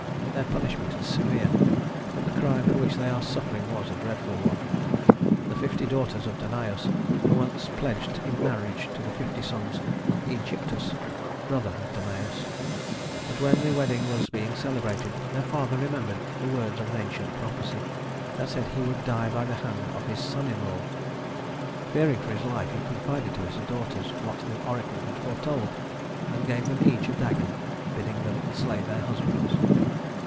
Their punishment is severe, but the crime for which they are suffering was a dreadful one. The fifty daughters of Danaüs were once pledged in marriage to the fifty sons of Ægyptus, brother of Danaüs; but when the wedding was being celebrated, their father remembered the words of an ancient prophecy that said that he would die by the hand of his son in law. Fearing for his life, he confided to his daughters what the oracle had foretold, and gave them each a dagger, bidding them slay their husbands.